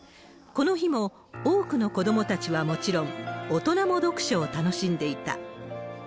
この日も多くの子どもたちはもちろん、大人も読書を楽しんでいた。